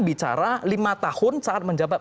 bicara lima tahun saat menjabat